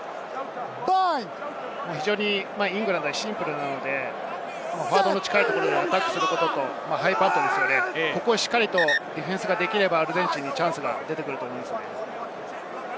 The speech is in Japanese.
非常にイングランドはシンプルなので、近いところでアタックすることとハイパント、ディフェンスできればアルゼンチンにチャンスが出てくると思いますね。